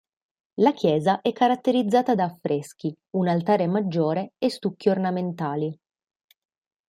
La chiesa è caratterizzata da affreschi, un altare maggiore e stucchi ornamentali.